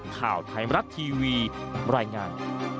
ข่าวไทยมรัฐทีวีรายงาน